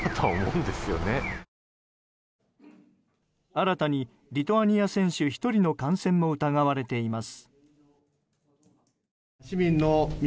新たにリトアニア選手１人の感染も疑われています。